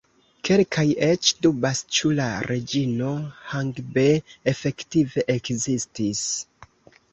Kelkaj eĉ dubas ĉu la Reĝino Hangbe efektive ekzistis.